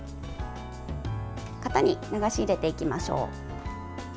型に流し入れていきましょう。